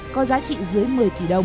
có giá trị dưới một mươi tỷ đồng